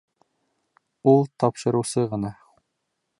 Ул тапшырыусы ғына!